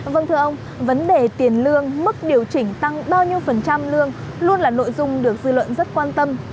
vâng thưa ông vấn đề tiền lương mức điều chỉnh tăng bao nhiêu phần trăm lương luôn là nội dung được dư luận rất quan tâm